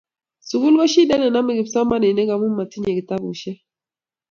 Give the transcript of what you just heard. sukul ko shidet nenamei kipsomaninik amu matunyei kitabusiek